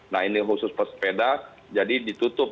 nah ini khusus pesepeda jadi ditutup